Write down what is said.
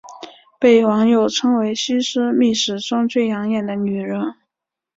被网友称为西施秘史中最养眼的女人。